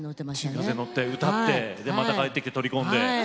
新幹線乗って歌ってまた帰ってきて取り込んで。